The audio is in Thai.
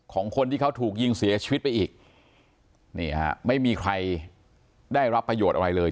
ของคนที่เขาถูกยิงเสียชีวิตไปอีกนี่ฮะไม่มีใครได้รับประโยชน์อะไรเลย